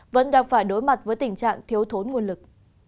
vẫn đang phải đối mặt với tình trạng thiếu thốn nguồn lực